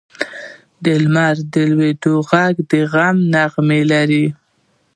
د لمر د لوېدو ږغ د غم نغمه لري.